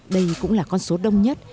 đây cũng là con số đông nhất